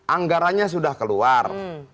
anggaranya sudah keluar